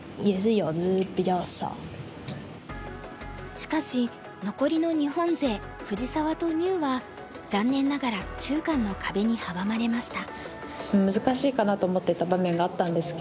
しかし残りの日本勢藤沢と牛は残念ながら中韓の壁に阻まれました。